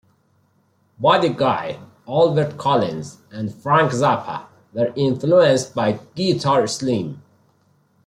Buddy Guy, Albert Collins and Frank Zappa were influenced by Guitar Slim.